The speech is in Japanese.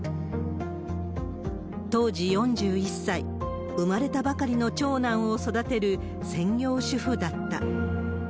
当時４１歳、産まれたばかりの長男を育てる専業主婦だった。